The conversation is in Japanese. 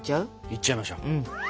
いっちゃいましょう。